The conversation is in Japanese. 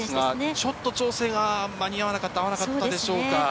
ちょっと調整が間に合わなかったでしょうか。